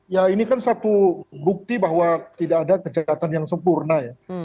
ya ini kan satu bukti bahwa tidak ada kejahatan yang sempurna ya